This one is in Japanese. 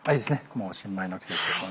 もう新米の季節です。